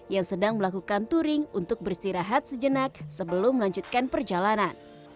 yang sedang melakukan touring untuk beristirahat sejenak sebelum melanjutkan perjalanan